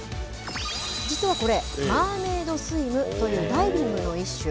実はこれ、マーメイドスイムというダイビングの一種。